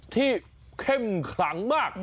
เข้มขลังมาก